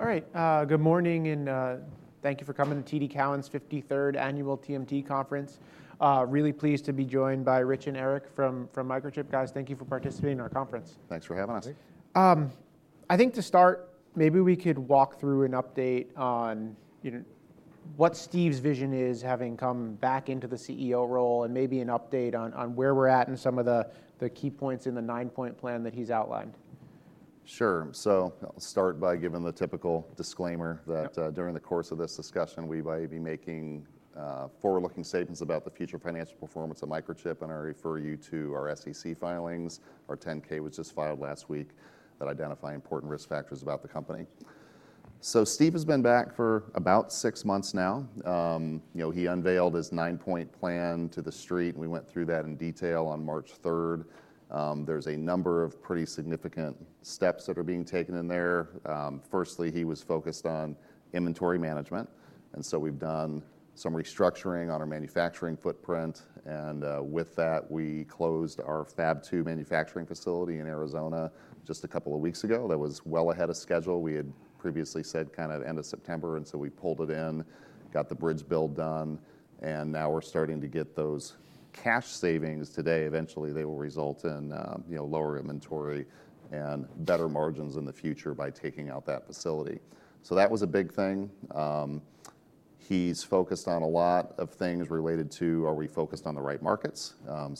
All right, good morning and thank you for coming to T.D. Cowen's 53rd Annual TMT Conference. Really pleased to be joined by Rich and Eric from Microchip. Guys, thank you for participating in our conference. Thanks for having us. I think to start, maybe we could walk through an update on what Steve's vision is having come back into the CEO role and maybe an update on where we're at and some of the key points in the nine-point plan that he's outlined. Sure. I'll start by giving the typical disclaimer that during the course of this discussion, we may be making forward-looking statements about the future financial performance of Microchip and I refer you to our SEC filings. Our 10-K was just filed last week that identifies important risk factors about the company. Steve has been back for about six months now. He unveiled his nine-point plan to the street. We went through that in detail on March 3rd. There's a number of pretty significant steps that are being taken in there. Firstly, he was focused on inventory management. We have done some restructuring on our manufacturing footprint. With that, we closed our Fab two manufacturing facility in Arizona just a couple of weeks ago. That was well ahead of schedule. We had previously said kind of end of September. We pulled it in, got the bridge build done. Now we're starting to get those cash savings today. Eventually, they will result in lower inventory and better margins in the future by taking out that facility. That was a big thing. He's focused on a lot of things related to, are we focused on the right markets?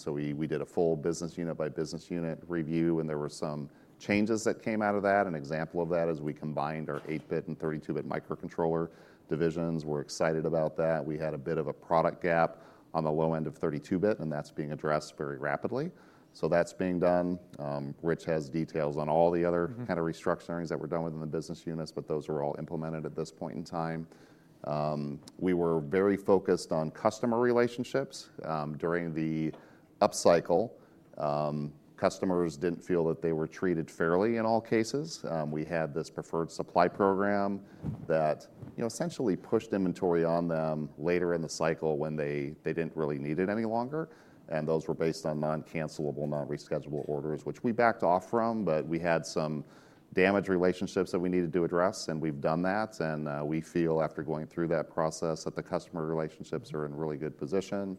We did a full business unit by business unit review and there were some changes that came out of that. An example of that is we combined our 8-bit and 32-bit microcontroller divisions. We're excited about that. We had a bit of a product gap on the low end of 32-bit and that's being addressed very rapidly. That's being done. Rich has details on all the other kind of restructurings that were done within the business units, but those were all implemented at this point in time. We were very focused on customer relationships. During the upcycle, customers did not feel that they were treated fairly in all cases. We had this Preferred Supply Program that essentially pushed inventory on them later in the cycle when they did not really need it any longer. Those were based on non-cancelable, non-reschedulable orders, which we backed off from, but we had some damaged relationships that we needed to address and we have done that. We feel after going through that process that the customer relationships are in really good position.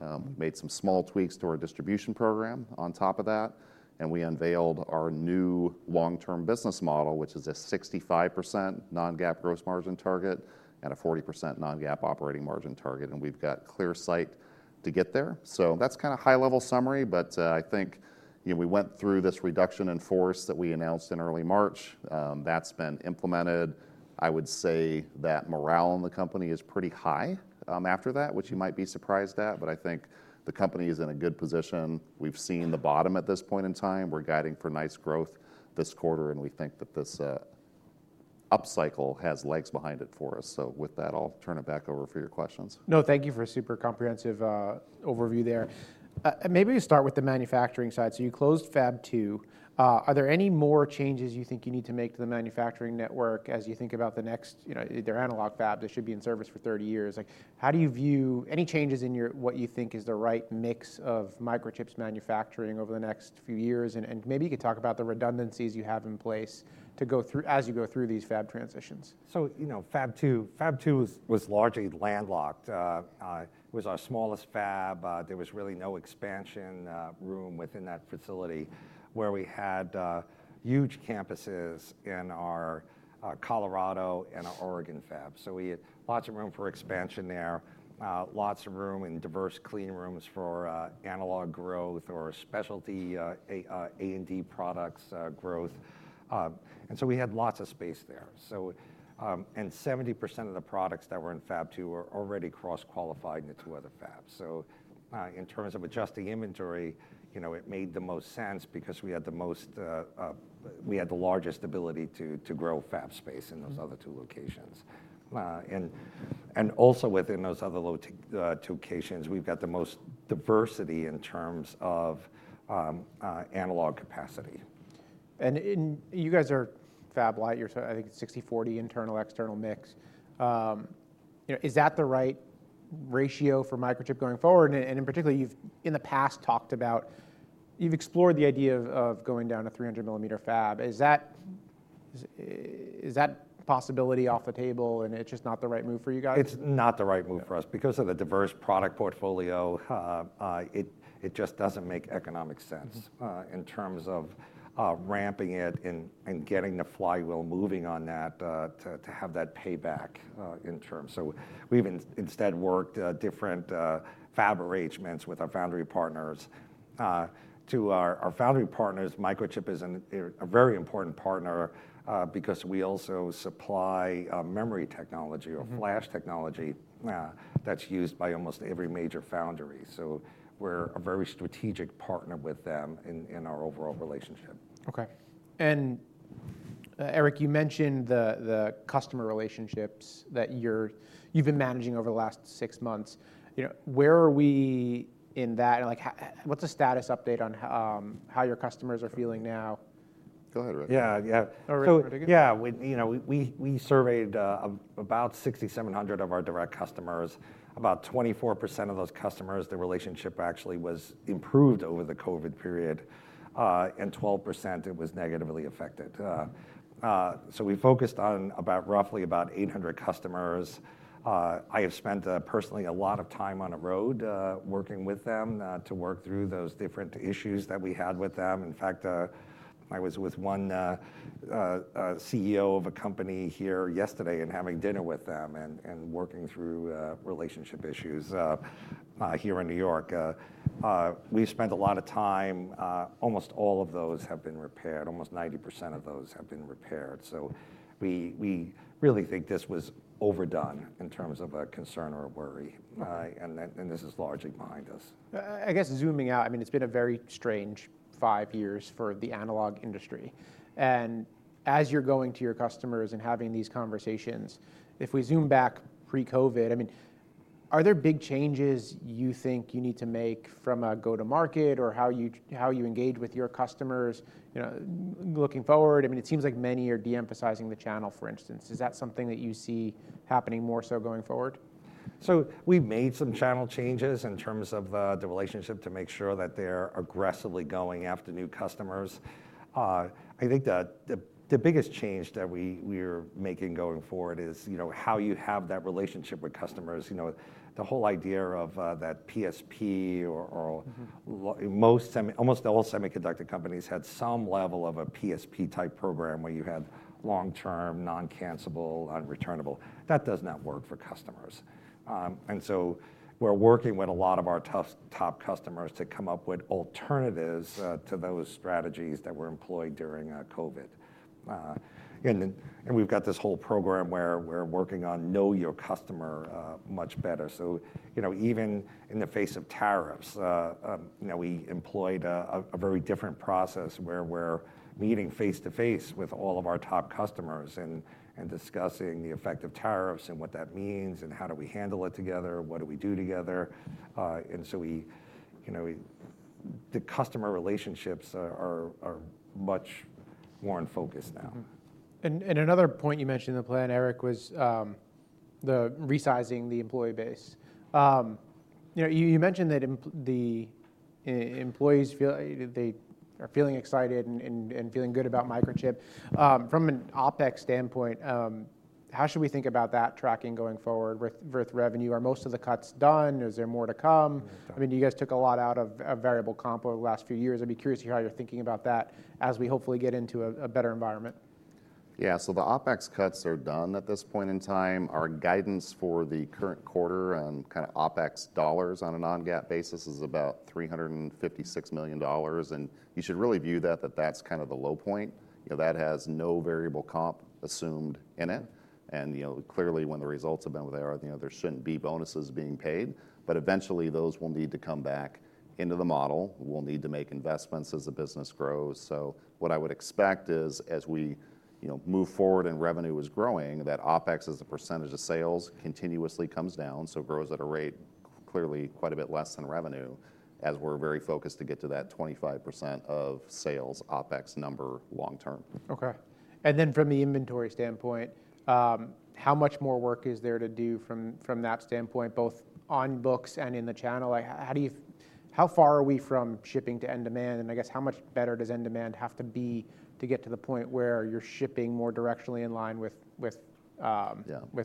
We made some small tweaks to our distribution program on top of that. We unveiled our new long-term business model, which is a 65% Non-GAAP Gross Margin target and a 40% Non-GAAP Operating Margin target. We have got clear sight to get there. That's kind of high-level summary, but I think we went through this reduction in force that we announced in early March. That's been implemented. I would say that morale in the company is pretty high after that, which you might be surprised at, but I think the company is in a good position. We've seen the bottom at this point in time. We're guiding for nice growth this quarter and we think that this upcycle has legs behind it for us. With that, I'll turn it back over for your questions. No, thank you for a super comprehensive overview there. Maybe we start with the manufacturing side. You closed Fab two. Are there any more changes you think you need to make to the manufacturing network as you think about the next, they're analog Fabs, they should be in service for 30 years. How do you view any changes in what you think is the right mix of Microchip's manufacturing over the next few years? Maybe you could talk about the redundancies you have in place as you go through these Fab transitions. Fab two was largely landlocked. It was our smallest fab. There was really no expansion room within that facility where we had huge campuses in our Colorado and our Oregon Fab. We had lots of room for expansion there, lots of room and diverse clean rooms for analog growth or specialty A&D products growth. We had lots of space there. Seventy percent of the products that were in Fab two were already cross-qualified in the two other Fabs. In terms of adjusting inventory, it made the most sense because we had the largest ability to grow fab space in those other two locations. Also within those other two locations, we've got the most diversity in terms of analog capacity. You guys are Fab light, you're talking I think it's 60-40 internal, external mix. Is that the right ratio for Microchip going forward? In particular, you've in the past talked about, you've explored the idea of going down to 300 millimeter Fab. Is that possibility off the table and it's just not the right move for you guys? It's not the right move for us because of the diverse product portfolio. It just doesn't make economic sense in terms of ramping it and getting the flywheel moving on that to have that payback in terms. We have instead worked different Fab arrangements with our foundry partners. To our foundry partners, Microchip is a very important partner because we also supply memory technology or flash technology that's used by almost every major foundry. We are a very strategic partner with them in our overall relationship. Okay. Eric, you mentioned the customer relationships that you have been managing over the last six months. Where are we in that? What is the status update on how your customers are feeling now? Go ahead, Rich. Yeah. Yeah. We surveyed about 6,700 of our direct customers. About 24% of those customers, the relationship actually was improved over the COVID period and 12% it was negatively affected. We focused on about roughly about 800 customers. I have spent personally a lot of time on the road working with them to work through those different issues that we had with them. In fact, I was with one CEO of a company here yesterday and having dinner with them and working through relationship issues here in New York. We've spent a lot of time, almost all of those have been repaired, almost 90% of those have been repaired. We really think this was overdone in terms of a concern or a worry. This is largely behind us. I guess zooming out, I mean, it's been a very strange five years for the analog industry. As you're going to your customers and having these conversations, if we zoom back pre-COVID, I mean, are there big changes you think you need to make from a go-to-market or how you engage with your customers looking forward? I mean, it seems like many are de-emphasizing the channel, for instance. Is that something that you see happening more so going forward? We have made some channel changes in terms of the relationship to make sure that they are aggressively going after new customers. I think the biggest change that we are making going forward is how you have that relationship with customers. The whole idea of that PSP or almost all semiconductor companies had some level of a PSP type program where you had long-term, non-cancelable, unreturnable. That does not work for customers. We are working with a lot of our top customers to come up with alternatives to those strategies that were employed during COVID. We have got this whole program where we are working on know your customer much better. Even in the face of tariffs, we employed a very different process where we're meeting face-to-face with all of our top customers and discussing the effect of tariffs and what that means and how do we handle it together, what do we do together. The customer relationships are much more in focus now. Another point you mentioned in the plan, Eric, was resizing the employee base. You mentioned that the employees feel like they are feeling excited and feeling good about Microchip. From an OpEx standpoint, how should we think about that tracking going forward with revenue? Are most of the cuts done? Is there more to come? I mean, you guys took a lot out of variable comp over the last few years. I'd be curious to hear how you're thinking about that as we hopefully get into a better environment. Yeah. The OPEX cuts are done at this point in time. Our guidance for the current quarter on kind of OPEX dollars on a non-GAAP basis is about $356 million. You should really view that as kind of the low point. That has no variable comp assumed in it. Clearly, when the results have been there, there should not be bonuses being paid. Eventually, those will need to come back into the model. We will need to make investments as the business grows. What I would expect is as we move forward and revenue is growing, that OPEX as a percentage of sales continuously comes down. It grows at a rate clearly quite a bit less than revenue as we are very focused to get to that 25% of sales OPEX number long term. Okay. From the inventory standpoint, how much more work is there to do from that standpoint, both on books and in the channel? How far are we from shipping to end demand? I guess how much better does end demand have to be to get to the point where you're shipping more directionally in line with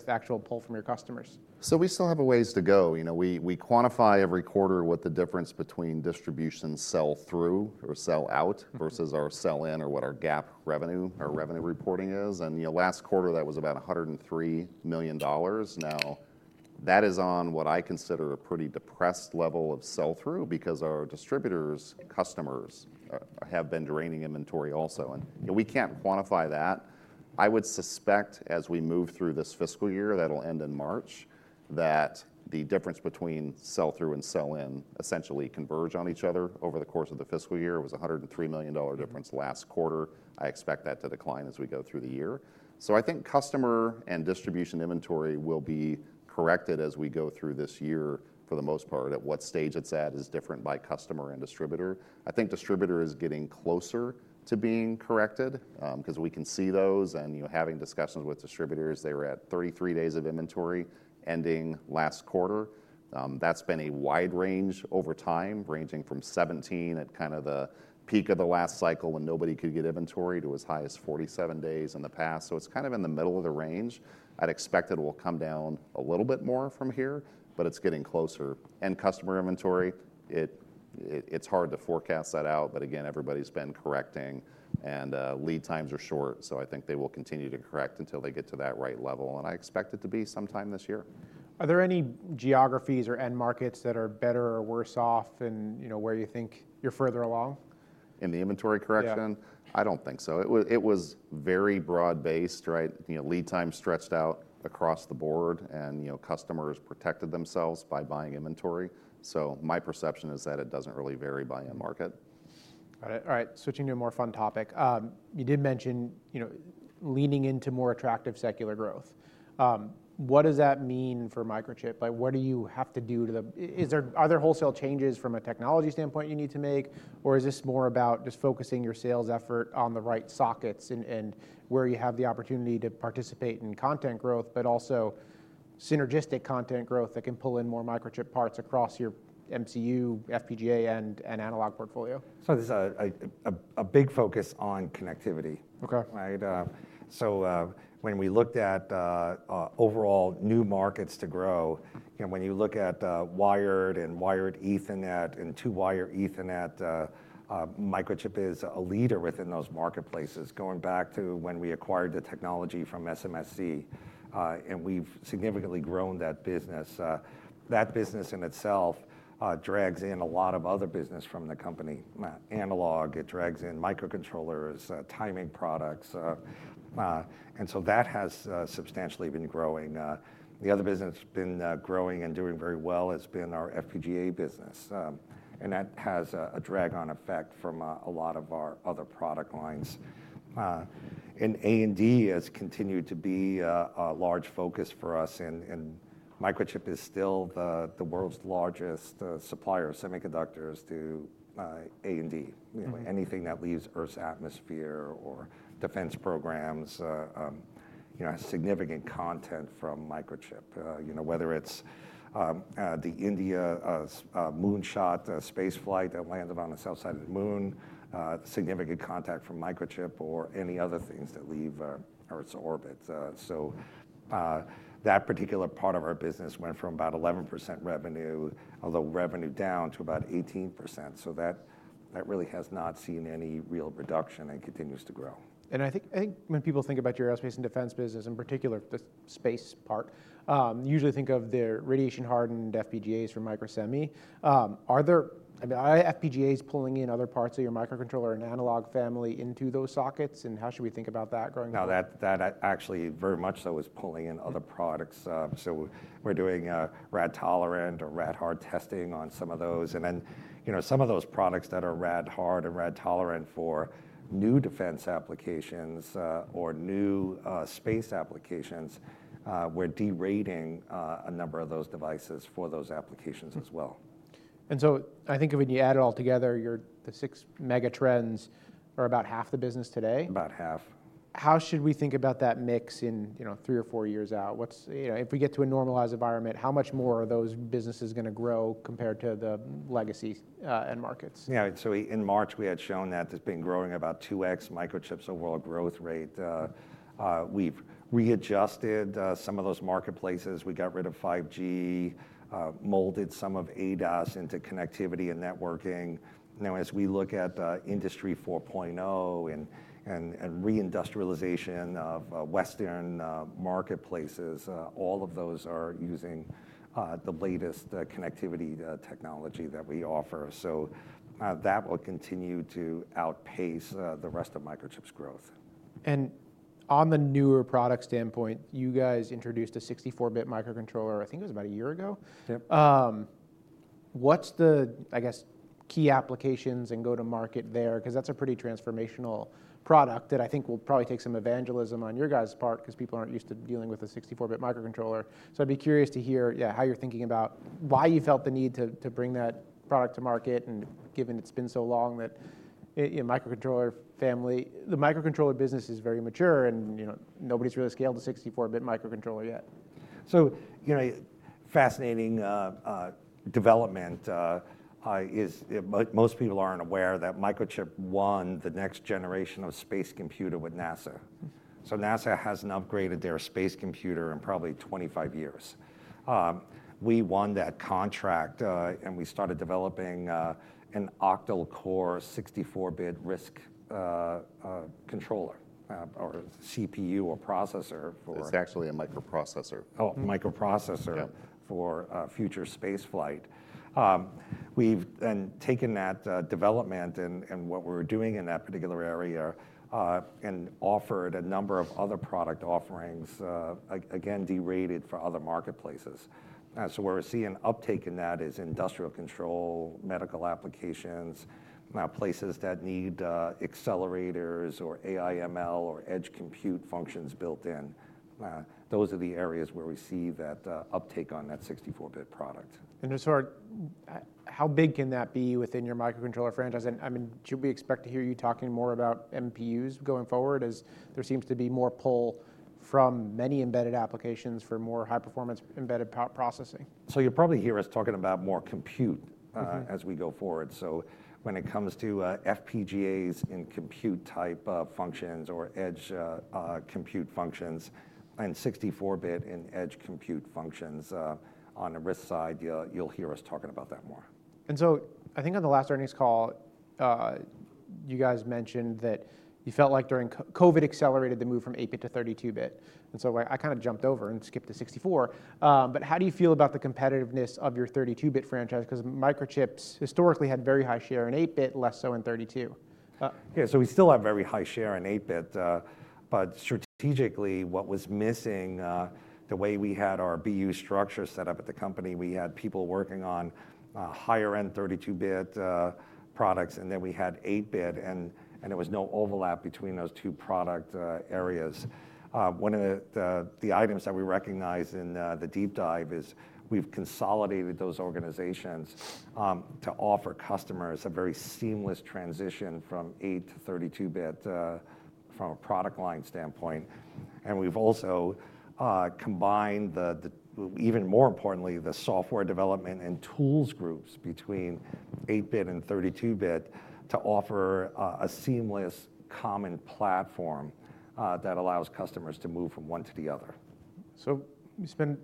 actual pull from your customers? We still have a ways to go. We quantify every quarter what the difference between distribution sell-through or sell-out versus our sell-in or what our gap revenue, our revenue reporting is. Last quarter that was about $103 million. Now that is on what I consider a pretty depressed level of sell-through because our distributors, customers have been draining inventory also. We cannot quantify that. I would suspect as we move through this fiscal year that will end in March that the difference between sell-through and sell-in essentially converge on each other over the course of the fiscal year. It was a $103 million difference last quarter. I expect that to decline as we go through the year. I think customer and distribution inventory will be corrected as we go through this year for the most part. At what stage it is at is different by customer and distributor. I think distributor is getting closer to being corrected because we can see those and having discussions with distributors. They were at 33 days of inventory ending last quarter. That's been a wide range over time ranging from 17 at kind of the peak of the last cycle when nobody could get inventory to as high as 47 days in the past. It is kind of in the middle of the range. I'd expect it will come down a little bit more from here, but it's getting closer. Customer inventory, it's hard to forecast that out, but again, everybody's been correcting and lead times are short. I think they will continue to correct until they get to that right level. I expect it to be sometime this year. Are there any geographies or end markets that are better or worse off and where you think you're further along? In the inventory correction. Yeah. I don't think so. It was very broad-based, right? Lead time stretched out across the board and customers protected themselves by buying inventory. So my perception is that it doesn't really vary by end market. Got it. All right. Switching to a more fun topic. You did mention leaning into more attractive secular growth. What does that mean for Microchip? What do you have to do to the, is there other wholesale changes from a technology standpoint you need to make? Or is this more about just focusing your sales effort on the right sockets and where you have the opportunity to participate in content growth, but also synergistic content growth that can pull in more Microchip parts across your MCU, FPGA, and analog portfolio? There's a big focus on connectivity. When we looked at overall new markets to grow, when you look at wired and wired Ethernet and two-wire Ethernet, Microchip is a leader within those marketplaces going back to when we acquired the technology from SMSC. We've significantly grown that business. That business in itself drags in a lot of other business from the company. Analog, it drags in microcontrollers, timing products. That has substantially been growing. The other business been growing and doing very well has been our FPGA business. That has a drag on effect from a lot of our other product lines. A&D has continued to be a large focus for us. Microchip is still the world's largest supplier of semiconductors to A&D. Anything that leaves Earth's atmosphere or defense programs has significant content from Microchip, whether it's the India moonshot space flight that landed on the south side of the moon, significant content from Microchip, or any other things that leave Earth's orbit. That particular part of our business went from about 11% revenue, although revenue down to about 18%. That really has not seen any real reduction and continues to grow. I think when people think about your aerospace and defense business in particular, the space part, usually think of the radiation-hardened FPGAs for Microsemi. Are there FPGAs pulling in other parts of your microcontroller and analog family into those sockets? How should we think about that growing? Now that actually very much so is pulling in other products. So we're doing rad tolerant or rad hard testing on some of those. And then some of those products that are rad hard and rad tolerant for new defense applications or new space applications, we're derating a number of those devices for those applications as well. I think when you add it all together, the six mega trends are about half the business today. About half. How should we think about that mix in three or four years out? If we get to a normalized environment, how much more are those businesses going to grow compared to the legacy end markets? Yeah. In March, we had shown that it's been growing about 2X Microchip's overall growth rate. We've readjusted some of those marketplaces. We got rid of 5G, molded some of ADAS into connectivity and networking. Now as we look at industry 4.0 and reindustrialization of Western marketplaces, all of those are using the latest connectivity technology that we offer. That will continue to outpace the rest of Microchip's growth. On the newer product standpoint, you guys introduced a 64-bit microcontroller, I think it was about a year ago. What's the, I guess, key applications and go-to-market there? Because that's a pretty transformational product that I think will probably take some evangelism on your guys' part because people aren't used to dealing with a 64-bit microcontroller. I'd be curious to hear how you're thinking about why you felt the need to bring that product to market and given it's been so long that the microcontroller business is very mature and nobody's really scaled a 64-bit microcontroller yet. Fascinating development is most people aren't aware that Microchip won the next generation of space computer with NASA. NASA hasn't upgraded their space computer in probably 25 years. We won that contract and we started developing an octa-core 64-bit RISC controller or CPU or processor. It's actually a microprocessor. Oh, microprocessor for future space flight. We've then taken that development and what we're doing in that particular area and offered a number of other product offerings, again, derated for other marketplaces. Where we're seeing uptake in that is industrial control, medical applications, places that need accelerators or AI/ML or edge compute functions built in. Those are the areas where we see that uptake on that 64-bit product. How big can that be within your microcontroller franchise? I mean, should we expect to hear you talking more about MPUs going forward as there seems to be more pull from many embedded applications for more high-performance embedded processing? You'll probably hear us talking about more compute as we go forward. When it comes to FPGAs in compute type functions or edge compute functions and 64-bit and edge compute functions on the RISC side, you'll hear us talking about that more. I think on the last earnings call, you guys mentioned that you felt like during COVID accelerated the move from 8-bit to 32-bit. I kind of jumped over and skipped to 64. How do you feel about the competitiveness of your 32-bit franchise? Because Microchip's historically had very high share in 8-bit, less so in 32. Yeah. We still have very high share in 8-bit, but strategically what was missing, the way we had our BU structure set up at the company, we had people working on higher-end 32-bit products and then we had 8-bit and there was no overlap between those two product areas. One of the items that we recognize in the deep dive is we've consolidated those organizations to offer customers a very seamless transition from 8 to 32-bit from a product line standpoint. We've also combined, even more importantly, the software development and tools groups between 8-bit and 32-bit to offer a seamless common platform that allows customers to move from one to the other. We spend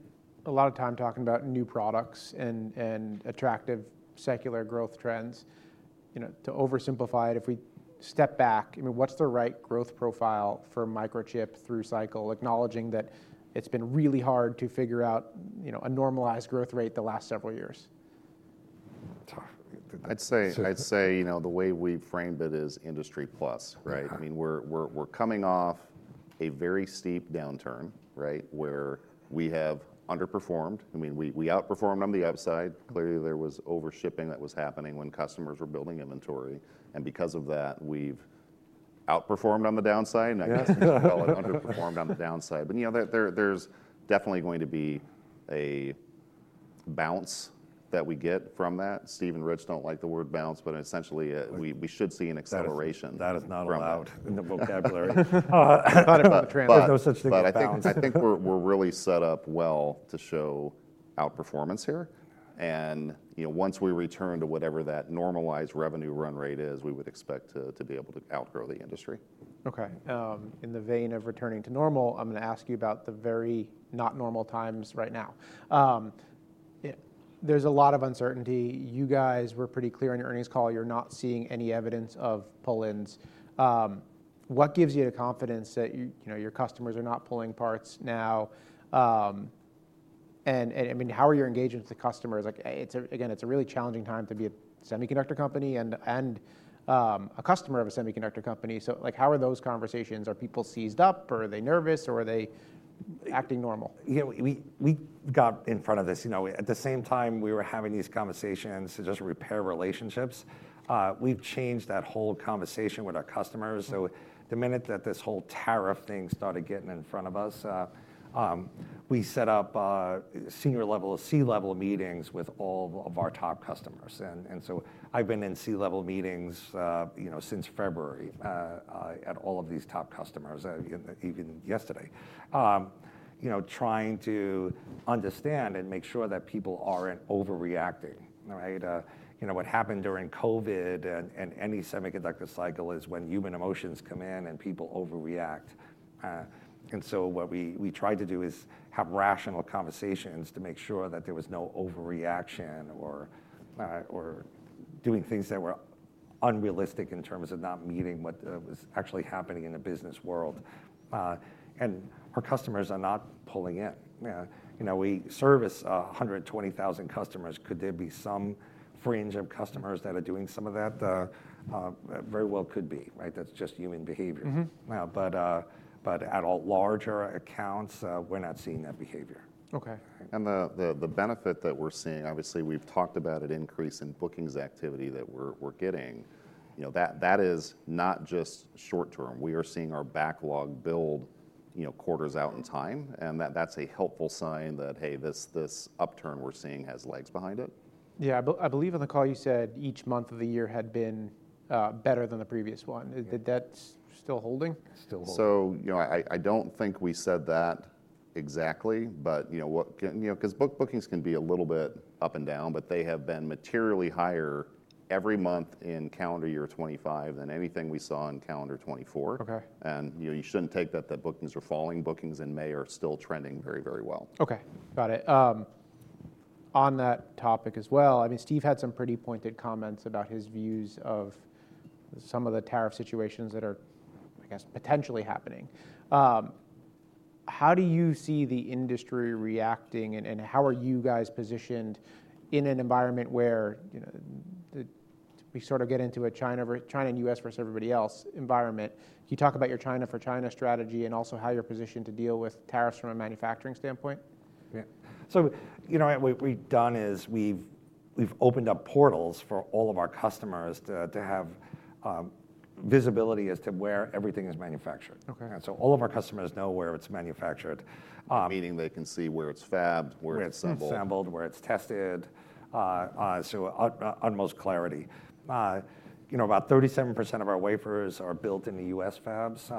a lot of time talking about new products and attractive secular growth trends. To oversimplify it, if we step back, what's the right growth profile for Microchip through cycle, acknowledging that it's been really hard to figure out a normalized growth rate the last several years? I'd say the way we've framed it is industry plus, right? I mean, we're coming off a very steep downturn where we have underperformed. I mean, we outperformed on the upside. Clearly there was overshipping that was happening when customers were building inventory. And because of that, we've outperformed on the downside. I guess we'll call it underperformed on the downside. There's definitely going to be a bounce that we get from that. Stephen Roach does not like the word bounce, but essentially we should see an acceleration. That is not allowed in the vocabulary. I thought about. I think we're really set up well to show outperformance here. Once we return to whatever that normalized revenue run rate is, we would expect to be able to outgrow the industry. Okay. In the vein of returning to normal, I'm going to ask you about the very not normal times right now. There's a lot of uncertainty. You guys were pretty clear in your earnings call. You're not seeing any evidence of pull-ins. What gives you the confidence that your customers are not pulling parts now? I mean, how are your engagements with the customers? Again, it's a really challenging time to be a semiconductor company and a customer of a semiconductor company. How are those conversations? Are people seized up? Are they nervous? Or are they acting normal? We got in front of this. At the same time we were having these conversations to just repair relationships, we have changed that whole conversation with our customers. The minute that this whole tariff thing started getting in front of us, we set up senior level C-level meetings with all of our top customers. I have been in C-level meetings since February at all of these top customers, even yesterday, trying to understand and make sure that people are not overreacting. What happened during COVID and any semiconductor cycle is when human emotions come in and people overreact. What we tried to do is have rational conversations to make sure that there was no overreaction or doing things that were unrealistic in terms of not meeting what was actually happening in the business world. Our customers are not pulling in. We service 120,000 customers. Could there be some fringe of customers that are doing some of that? Very well could be. That's just human behavior. At larger accounts, we're not seeing that behavior. Okay. The benefit that we're seeing, obviously we've talked about an increase in bookings activity that we're getting. That is not just short term. We are seeing our backlog build quarters out in time. That's a helpful sign that, hey, this upturn we're seeing has legs behind it. Yeah. I believe in the call you said each month of the year had been better than the previous one. That's still holding? Still holding. I do not think we said that exactly. Because bookings can be a little bit up and down, but they have been materially higher every month in calendar year 2025 than anything we saw in calendar 2024. You should not take that that bookings are falling. Bookings in May are still trending very, very well. Okay. Got it. On that topic as well, I mean, Steve had some pretty pointed comments about his views of some of the tariff situations that are, I guess, potentially happening. How do you see the industry reacting and how are you guys positioned in an environment where we sort of get into a China and U.S. versus everybody else environment? You talk about your China for China strategy and also how you're positioned to deal with tariffs from a manufacturing standpoint. Yeah. So what we've done is we've opened up portals for all of our customers to have visibility as to where everything is manufactured. And so all of our customers know where it's manufactured. Meaning they can see where it's fabbed, where it's assembled, where it's tested. Utmost clarity. About 37% of our wafers are built in the U.S. Fabs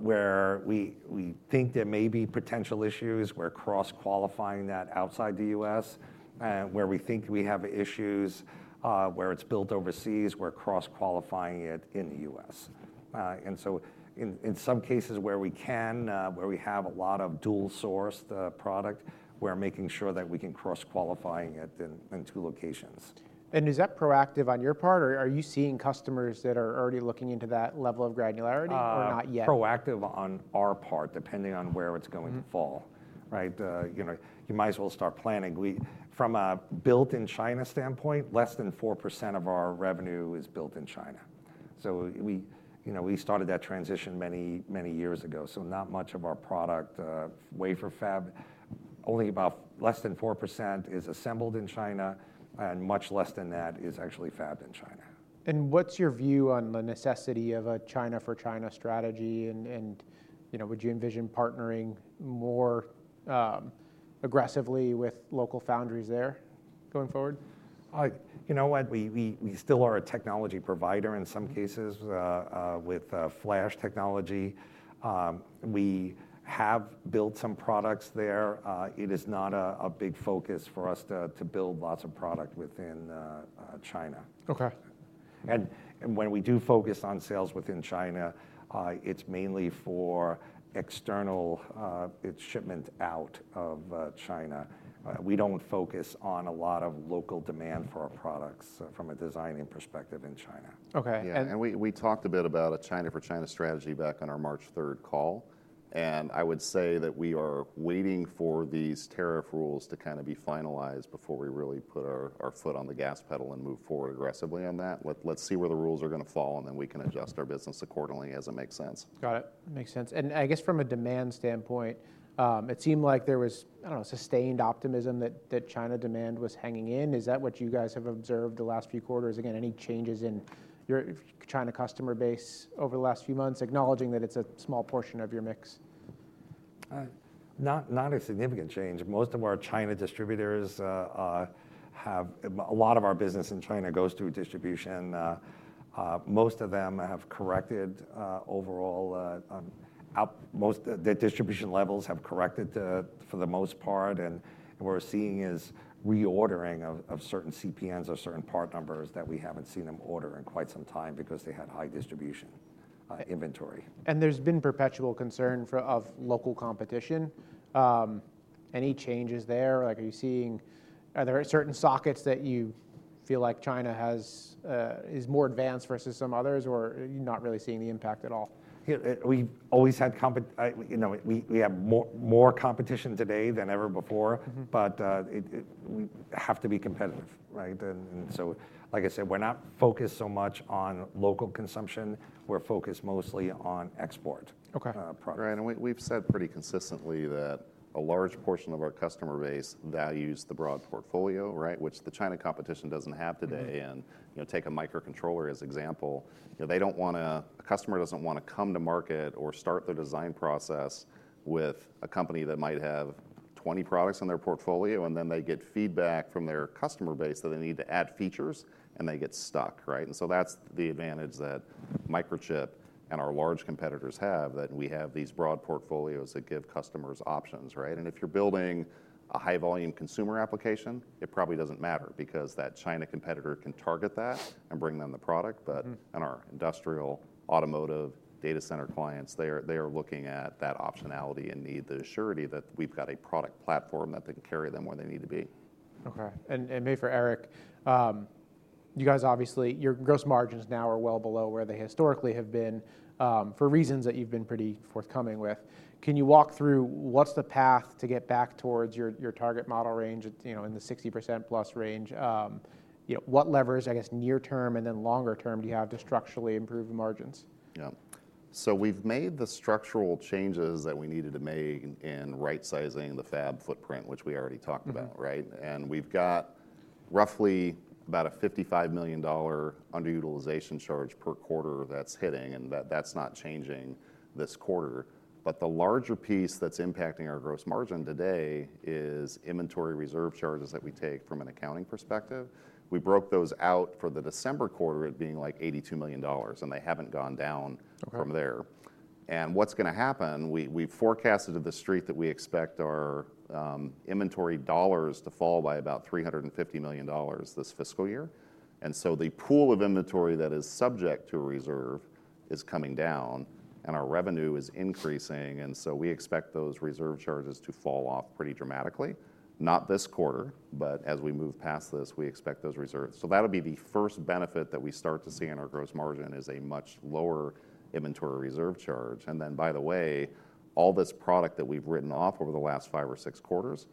where we think there may be potential issues where cross-qualifying that outside the U.S. and where we think we have issues where it's built overseas, we're cross-qualifying it in the U.S. In some cases where we can, where we have a lot of dual sourced product, we're making sure that we can cross-qualify it in two locations. Is that proactive on your part or are you seeing customers that are already looking into that level of granularity or not yet? Proactive on our part, depending on where it's going to fall. You might as well start planning. From a built-in China standpoint, less than 4% of our revenue is built in China. We started that transition many years ago. Not much of our product wafer Fab, only about less than 4% is assembled in China and much less than that is actually fabbed in China. What's your view on the necessity of a China for China strategy? Would you envision partnering more aggressively with local foundries there going forward? You know what? We still are a technology provider in some cases with Flash technology. We have built some products there. It is not a big focus for us to build lots of product within China. When we do focus on sales within China, it's mainly for external shipment out of China. We do not focus on a lot of local demand for our products from a designing perspective in China. Okay. We talked a bit about a China for China strategy back on our March 3rd call. I would say that we are waiting for these tariff rules to kind of be finalized before we really put our foot on the gas pedal and move forward aggressively on that. Let's see where the rules are going to fall and then we can adjust our business accordingly as it makes sense. Got it. Makes sense. I guess from a demand standpoint, it seemed like there was, I don't know, sustained optimism that China demand was hanging in. Is that what you guys have observed the last few quarters? Again, any changes in your China customer base over the last few months, acknowledging that it's a small portion of your mix? Not a significant change. Most of our China distributors, a lot of our business in China goes through distribution. Most of them have corrected overall. The distribution levels have corrected for the most part. What we're seeing is reordering of certain CPNs or certain part numbers that we haven't seen them order in quite some time because they had high distribution inventory. There has been perpetual concern of local competition. Any changes there? Are you seeing, are there certain sockets that you feel like China is more advanced versus some others or you're not really seeing the impact at all? We've always had, we have more competition today than ever before, but we have to be competitive. Like I said, we're not focused so much on local consumption. We're focused mostly on export products. We have said pretty consistently that a large portion of our customer base values the broad portfolio, which the China competition does not have today. Take a microcontroller as an example. A customer does not want to come to market or start their design process with a company that might have 20 products in their portfolio, and then they get feedback from their customer base that they need to add features and they get stuck. That is the advantage that Microchip and our large competitors have, that we have these broad portfolios that give customers options. If you are building a high-volume consumer application, it probably does not matter because that China competitor can target that and bring them the product. In our industrial, automotive, data center clients, they are looking at that optionality and need the surety that we've got a product platform that can carry them where they need to be. Okay. May for Eric, you guys obviously, your gross margins now are well below where they historically have been for reasons that you've been pretty forthcoming with. Can you walk through what's the path to get back towards your target model range in the 60% plus range? What levers, I guess, near term and then longer term do you have to structurally improve the margins? Yeah. So we've made the structural changes that we needed to make in right-sizing the Fab footprint, which we already talked about. We've got roughly about a $55 million under-utilization charge per quarter that's hitting, and that's not changing this quarter. The larger piece that's impacting our gross margin today is inventory reserve charges that we take from an accounting perspective. We broke those out for the December quarter at being like $82 million, and they haven't gone down from there. What's going to happen, we've forecasted to the street that we expect our inventory dollars to fall by about $350 million this fiscal year. The pool of inventory that is subject to reserve is coming down, and our revenue is increasing. We expect those reserve charges to fall off pretty dramatically. Not this quarter, but as we move past this, we expect those reserves. That will be the first benefit that we start to see in our gross margin is a much lower inventory reserve charge. By the way, all this product that we've written off over the last five or six quarters,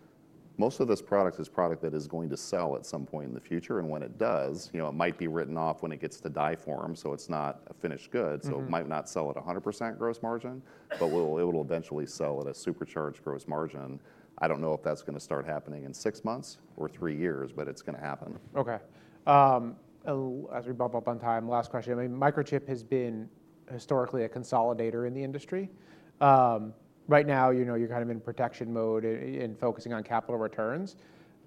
most of this product is product that is going to sell at some point in the future. When it does, it might be written off when it gets to die form, so it's not a finished good. It might not sell at 100% gross margin, but it will eventually sell at a supercharged gross margin. I do not know if that is going to start happening in six months or three years, but it is going to happen. Okay. As we bump up on time, last question. Microchip has been historically a consolidator in the industry. Right now, you're kind of in protection mode and focusing on capital returns.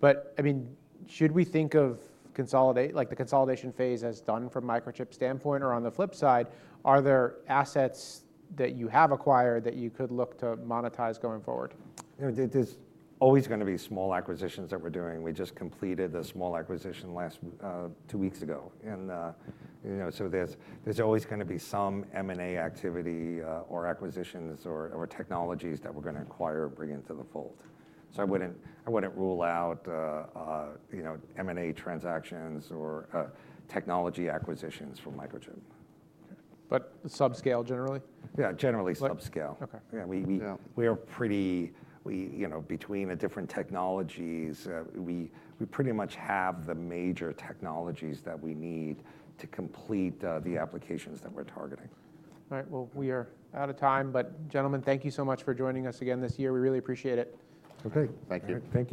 I mean, should we think of the consolidation phase as done from Microchip standpoint? Or on the flip side, are there assets that you have acquired that you could look to monetize going forward? There's always going to be small acquisitions that we're doing. We just completed a small acquisition two weeks ago. There's always going to be some M&A activity or acquisitions or technologies that we're going to acquire or bring into the fold. I wouldn't rule out M&A transactions or technology acquisitions from Microchip. Subscale generally? Yeah, generally subscale. We are pretty, between the different technologies, we pretty much have the major technologies that we need to complete the applications that we're targeting. All right. We are out of time. But gentlemen, thank you so much for joining us again this year. We really appreciate it. Okay. Thank you. Thank.